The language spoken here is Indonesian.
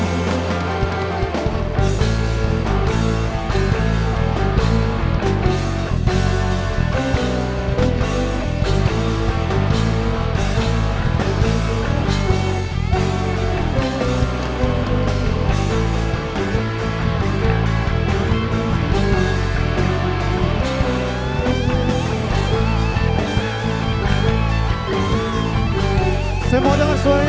untuk kekayaan anda di hatimu